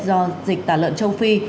do dịch tà lợn châu phi